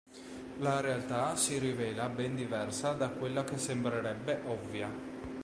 La realtà si rivela ben diversa da quella che sembrerebbe ovvia.